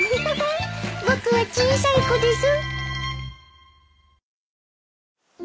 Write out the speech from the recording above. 僕は小さい子です。